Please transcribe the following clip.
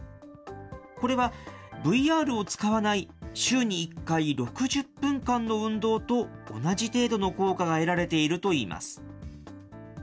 これはＶＲを使わない週に１回６０分間の運動と同じ程度の効果が得られているといいます。